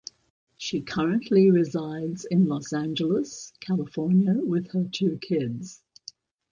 She currently resides in Los Angeles, California with her two kids.